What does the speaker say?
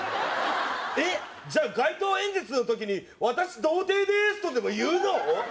えっじゃあ街頭演説の時に「私童貞です」とでも言うの？